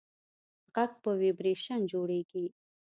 غږ په ویبرېشن جوړېږي.